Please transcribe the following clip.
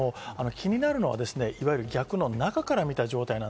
気になるのは逆の中から見た状態。